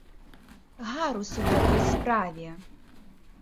Гарус у гэтай справе!